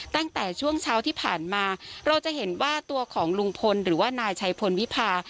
ตั้งแต่ช่วงเช้าที่ผ่านมาเราจะเห็นว่าตัวของลุงพลหรือว่านายชัยพลวิพา